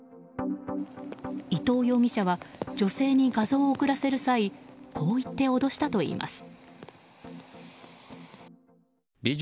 伊藤容疑者は女性に画像を送らせる際こう言って脅したといいます。